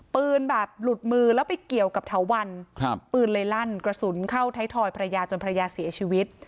แบบหลุดมือแล้วไปเกี่ยวกับเถาวันครับปืนเลยลั่นกระสุนเข้าไทยทอยภรรยาจนภรรยาเสียชีวิต